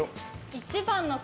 １番の方。